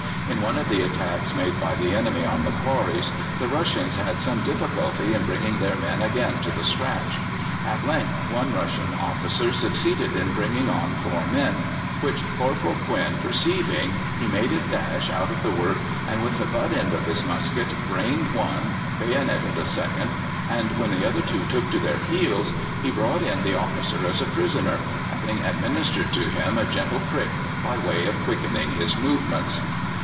In one of the attacks made by the enemy on the quarries the Russians had some difficulty in bringing their men again to the scratch. At length one Russian officer succeeded in bringing on four men, which Corporal Quin perceiving, he made a dash out of the work, and with the butt end of his musket brained one, bayoneted a second, and when the other two took to their heels he brought in the officer as a prisoner, having administered to him a gentle prick by way of quickening his movements.